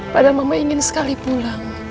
pada mama ingin sekali pulang